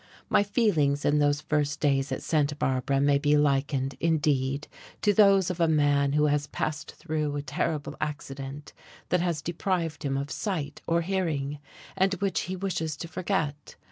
My feelings in those first days at Santa Barbara may be likened, indeed, to those of a man who has passed through a terrible accident that has deprived him of sight or hearing, and which he wishes to forget.